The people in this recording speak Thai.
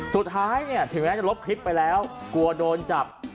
สุดท้ายเนี่ยถึงแม้จะลบคลิปไปแล้วกลัวโดนจับ